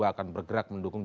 akan bergerak mendukung